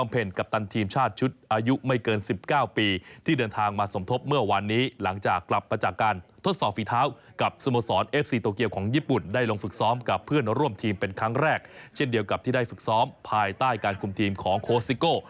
เพื่อนร่วมทีมเป็นครั้งแรกเช่นเดียวกับที่ได้ฝึกซ้อมภายใต้การกลุ่มทีมของโคสต์ซิโก้